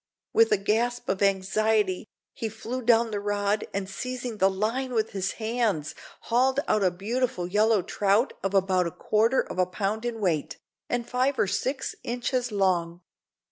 With a gasp of anxiety he flung down the rod, and seizing the line with his hands, hauled out a beautiful yellow trout of about a quarter of a pound in weight, and five or six inches long.